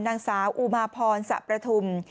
นางสาวอุมาพรสะประทุม